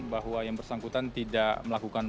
bahwa yang bersangkutan tidak melakukan